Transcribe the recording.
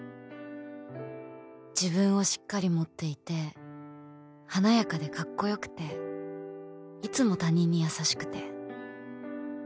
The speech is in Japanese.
自分をしっかり持っていて華やかでかっこよくていつも他人に優しくて。